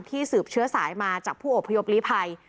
สืบเชื้อสายมาจากผู้อพยพลีภัย